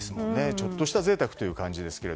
ちょっとした贅沢という感じですが。